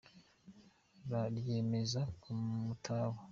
Ryameze ku mutaba